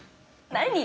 何？